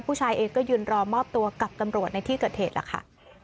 ผู้ชายเองก็ยืนรอมอบตัวกับตำรวจในที่เกิดเหตุล่ะค่ะ